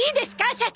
社長！